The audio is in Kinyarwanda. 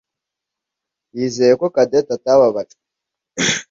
yizeye ko Cadette atababajwe.